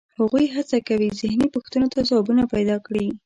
هغوی هڅه کوي ذهني پوښتنو ته ځوابونه پیدا کړي.